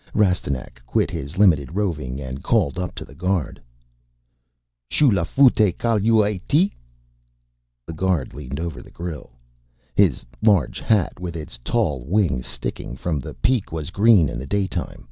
Rastignac quit his limited roving and called up to the guard. "Shoo l'footyay, kal u ay tee?" The guard leaned over the grille. His large hat with its tall wings sticking from the peak was green in the daytime.